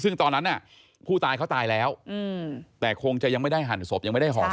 ซึ่งตอนนั้นผู้ตายเขาตายแล้วแต่คงจะยังไม่ได้หั่นศพยังไม่ได้หอม